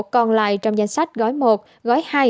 còn lại trong danh sách gói một gói hai